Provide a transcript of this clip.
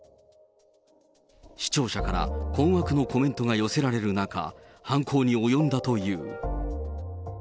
視聴者から困惑のコメントが寄せられる中、犯行に及んだという。